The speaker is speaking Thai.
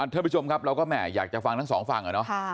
ท่านผู้ชมครับเราก็แห่อยากจะฟังทั้งสองฝั่งอะเนาะ